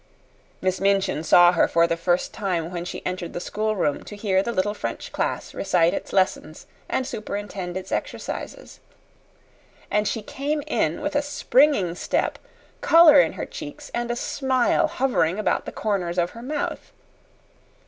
Miss Minchin saw her for the first time when she entered the schoolroom to hear the little French class recite its lessons and superintend its exercises. And she came in with a springing step, color in her cheeks, and a smile hovering about the corners of her mouth.